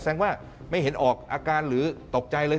แสดงว่าไม่เห็นออกอาการหรือตกใจเลย